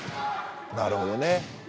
なるほどね。